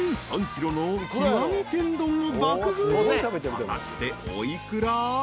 ［果たしてお幾ら？］